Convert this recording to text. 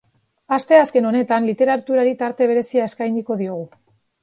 Asteazken honetan, literaturari tarte berezia eskainiko diogu.